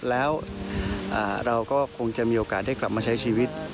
แล้วเราก็คงจะมีโอกาสได้กลับมาใช้ชีวิต